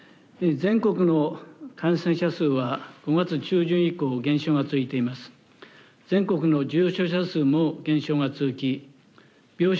全国の感染者数は、５月中旬以降、減少が続いています。